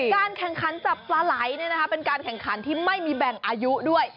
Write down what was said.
การแข่งขันจับปลาไหลเป็นการแข่งขันที่ไม่มีแบ่งอายุด้วย